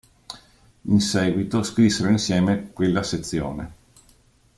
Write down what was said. In seguito scrissero insieme quella sezione.